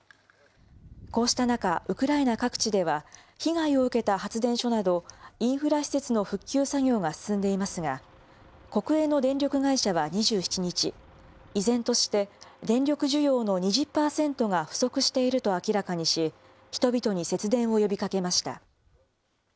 こうした中、ウクライナ各地では、被害を受けた発電所など、インフラ施設の復旧作業が進んでいますが、国営の電力会社は２７日、依然として電力需要の２０％が不足していると明らかにし、人々に節電を呼びかけました。